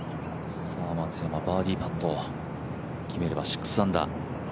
松山バーディーパット、決めれば６アンダー。